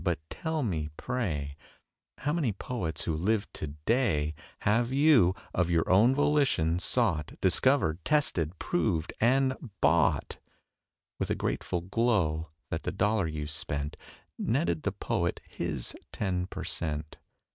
But tell me, pray, How many poets who live to day Have you, of your own volition, sought, Discovered and tested, proved and bought, With a grateful glow that the dollar you spent Netted the poet his ten per cent.?